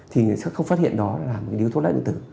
thì sẽ không phát hiện đó là điếu thuốc lá điện tử